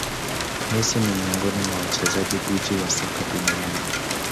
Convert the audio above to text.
Messi ni miongoni mwa wachezaji gwiji wa soka duniani